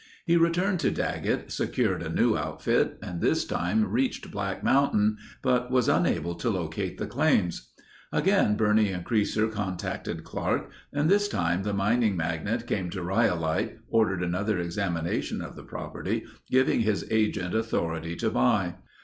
He returned to Daggett, secured a new outfit and this time reached Black Mountain, but was unable to locate the claims. Again Birney and Creaser contacted Clark and this time the mining magnate came to Rhyolite, ordered another examination of the property, giving his agent authority to buy.